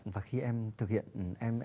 và khi em thực hiện